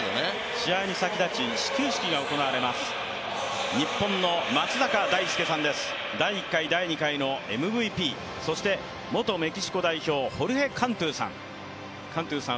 試合に先立ち始球式が行われます、日本の松坂大輔さんです、第１回、第２回大会のＭＶＰ、そして元メキシコ代表、ホルヘ・カントゥさん。